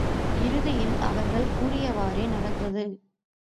இறுதியில் அவர்கள் கூறியவாறே நடந்தது.